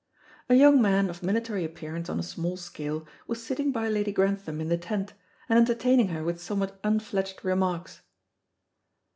A young man, of military appearance on a small scale, was sitting by Lady Grantham in the tent, and entertaining her with somewhat unfledged remarks.